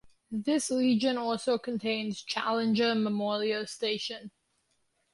This region also contains Challenger Memorial Station.